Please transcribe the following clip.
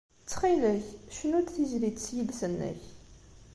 Ttxil-k, cnu-d tizlit s yiles-nnek!